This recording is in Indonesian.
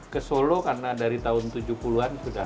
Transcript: ke solo karena dari tahun tujuh puluh an sudah